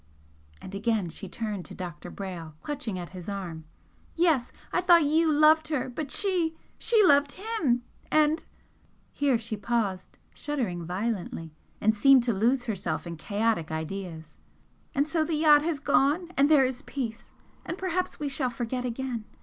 and again she turned to Dr. Brayle, clutching at his arm "Yes I thought you loved her! but she she loved HIM! and " here she paused, shuddering violently, and seemed to lose herself in chaotic ideas "And so the yacht has gone, and there is peace! and perhaps we shall forget again!